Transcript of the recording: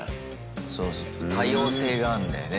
そうそう多様性があんだよね